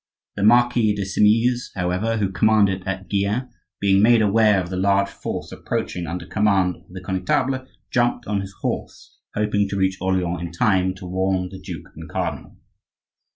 The Marquis de Simeuse, however, who commanded at Gien, being made aware of the large force approaching under command of the Connetable, jumped on his horse hoping to reach Orleans in time to warn the duke and cardinal.